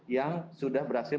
yang sudah berhasil